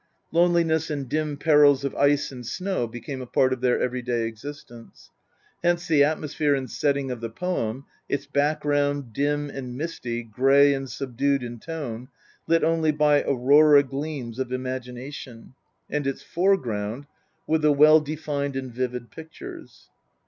Loneliness and dim perils of ice and snow became a part of their every day existence. Hence the atmosphere and setting of the poem its background, dim and misty, grey and subdued in tone, lit only by aurora gleams of imagination ; and its foreground, with the well defined and vivid pictures.